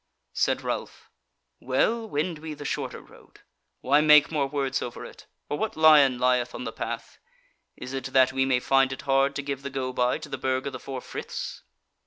Said Ralph: "Well, wend we the shorter road; why make more words over it? Or what lion lieth on the path? Is it that we may find it hard to give the go by to the Burg of the Four Friths?"